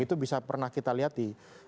itu bisa pernah kita lihat di